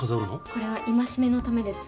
これは戒めのためです